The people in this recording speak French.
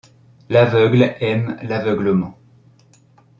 L'aveugle aime l'aveuglement.